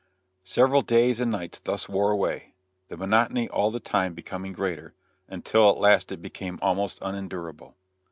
Several days and nights thus wore away, the monotony all the time becoming greater, until at last it became almost unendurable.